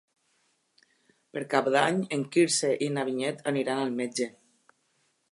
Per Cap d'Any en Quirze i na Vinyet aniran al metge.